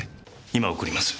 今送ります。